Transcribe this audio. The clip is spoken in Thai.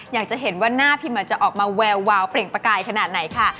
อยากจะเห็นว่าหน้าพิมจะออกมาแวววาวเปล่งประกายขนาดไหนค่ะ